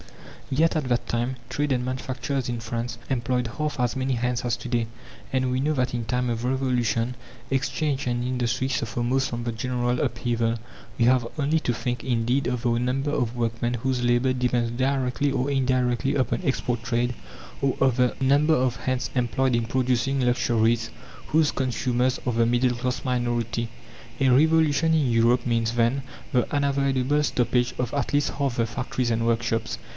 Yet at that time trade and manufacturers in France employed half as many hands as to day. And we know that in time of Revolution exchange and industry suffer most from the general upheaval. We have only to think, indeed, of the number of workmen whose labour depends directly or indirectly upon export trade, or of the number of hands employed in producing luxuries, whose consumers are the middle class minority. A revolution in Europe means, then, the unavoidable stoppage of at least half the factories and workshops.